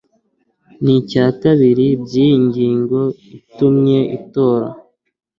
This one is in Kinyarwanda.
n icya kabiri by iyi ngingo gitumye itora